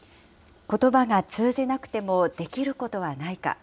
ことばが通じなくてもできることはないか。